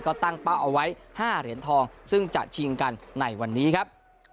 ก็ตั้งเป้าเอาไว้๕เหรียญทองซึ่งจะชิงกันในวันนี้ครับ